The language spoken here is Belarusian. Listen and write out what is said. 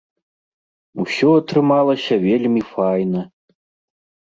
Усё атрымалася вельмі файна!